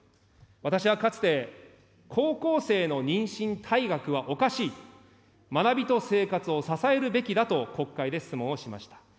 私はかつて高校生の妊娠退学はおかしい、学びと生活を支えるべきだと、国会で質問をしました。